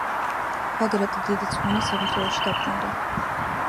ბაგრატი დიდი ძღვენით საქართველოში დაბრუნდა.